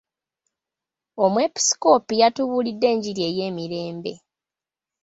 Omwepiskoopi yatubuuliridde enjiri ey'emirembe.